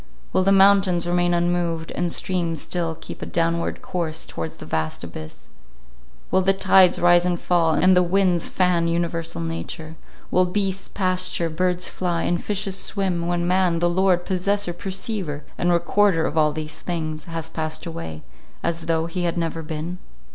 Will the mountains remain unmoved, and streams still keep a downward course towards the vast abyss; will the tides rise and fall, and the winds fan universal nature; will beasts pasture, birds fly, and fishes swim, when man, the lord, possessor, perceiver, and recorder of all these things, has passed away, as though he had never been?